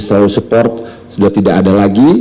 selalu support sudah tidak ada lagi